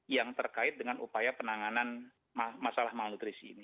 yang terkait dengan upaya penanganan masalah malnutrisi ini